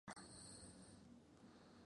Con la muerte de D. Pedro de Ayerbe y Dª.